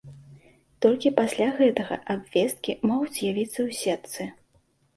Толькі пасля гэтага абвесткі могуць з'явіцца ў сетцы.